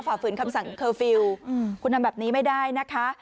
ฝืนคำสั่งเคอร์ฟิลล์คุณทำแบบนี้ไม่ได้นะคะ